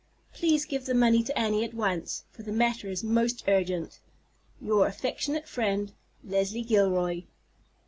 Please give the money to Annie at once, for the matter is most urgent. "Your affectionate friend, "Leslie Gilroy."